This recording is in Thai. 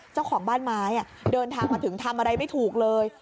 เจ้าของบ้านไม้เดินทางมาถึงทำอะไรไม่ถูกเลย